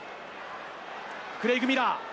クレイグ・ミラー。